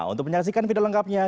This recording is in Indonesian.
untuk menyaksikan video lengkapnya